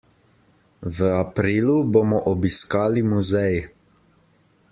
V aprilu bomo obiskali muzej.